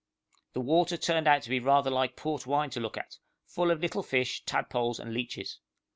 The water turned out to be rather like port wine to look at, full of little fish, tadpoles, and leeches.